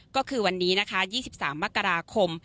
ก็คือวันนี้นะคะ๒๓มกราคม